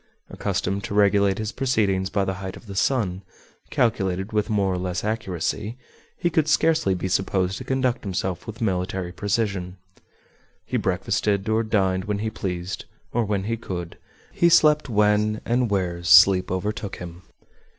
Accustomed to regulate his proceedings by the height of the sun, calculated with more or less accuracy, he could scarcely be supposed to conduct himself with military precision. He breakfasted or dined when he pleased or when he could; he slept when and where sleep overtook him.